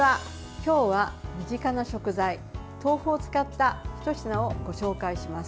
今日は身近な食材、豆腐を使ったひと品をご紹介します。